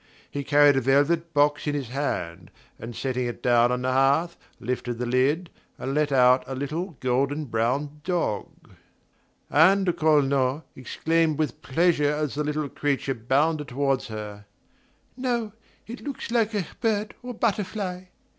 He carried a velvet box in his hand and, setting it down on the hearth, lifted the lid and let out a little golden brown dog. Anne de Cornault exclaimed with pleasure as the little creature bounded toward her. "Oh, it looks like a bird or a butterfly!"